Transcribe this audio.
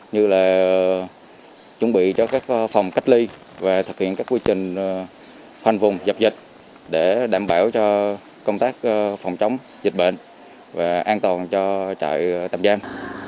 như là chuẩn bị cho các phòng cách ly và thực hiện các quy trình khoanh vùng dập dịch để đảm bảo cho công tác phòng chống dịch bệnh và an toàn cho trại tạm giam